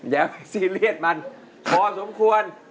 อย่าซีเรียสมันพอสมควร